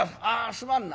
すまんな。